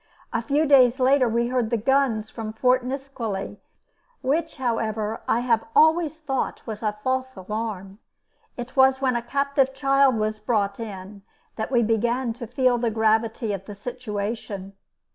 A few days later we heard the guns from Fort Nisqually, which, however, I have always thought was a false alarm. It was when a captive child was brought in that we began to feel the gravity of the situation.